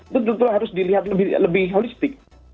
itu tentu harus dilihat lebih holistik